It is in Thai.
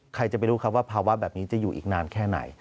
ใครจะไปรู้ครับว่าภาวะแบบนี้จะอยู่อีกนานแค่ไหน